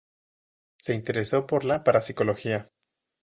Se interesó por la Parapsicología.